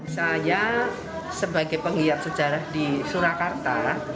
saya sebagai penggiat sejarah di surakarta